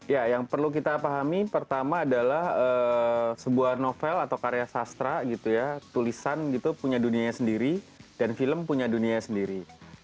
ya yang perlu kita pahami pertama adalah sebuah novel atau karya sastra gitu ya tulisan gitu punya dunianya sendiri dan film punya dunia sendiri